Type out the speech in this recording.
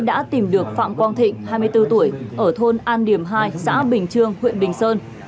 đã tìm được phạm quang thịnh hai mươi bốn tuổi ở thôn an điểm hai xã bình trương huyện bình sơn